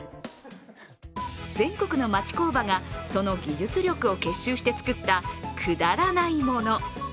全国の町工場がその技術力を結集して作った、くだらないもの。